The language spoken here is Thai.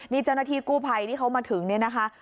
นี่เจ้าหน้าที่กู้ภัยที่เขามาถึงเนี่ยนะคะ